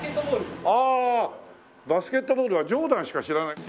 ああバスケットボールはジョーダンしか知らない。